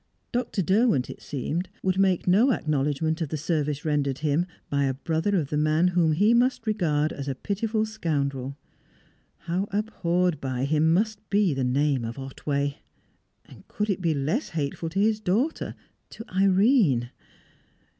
Dr. Derwent, it seemed, would make no acknowledgment of the service rendered him by a brother of the man whom he must regard as a pitiful scoundrel. How abhorred by him must be the name of Otway! And could it be less hateful to his daughter, to Irene?